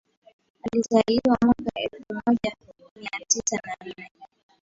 Alizaliwa mwaka elfu moja mia tisa na nne